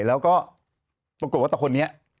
แล้วก็ปรากฏว่าแต่คนนี้